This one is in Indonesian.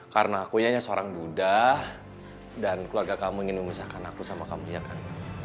karena aku hanya seorang buddha dan keluarga kamu ingin memisahkan aku sama kamu ya kan